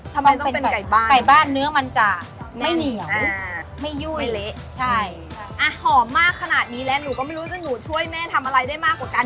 ทำไมต้องเป็นไก่บ้านไก่บ้านเนื้อมันจะไม่เหนียวไม่ยุ่ยใช่